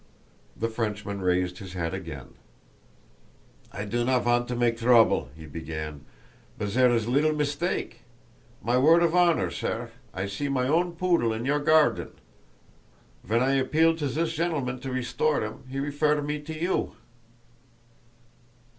The Frenchman raised his hat again. "I do not vant to make a trouble," he began, "but zere is leetle mistake. My word of honour, sare, I see my own poodle in your garden. Ven I appeal to zis gentilman to restore 'im he reffer me to you."